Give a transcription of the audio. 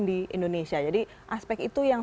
di indonesia jadi aspek itu yang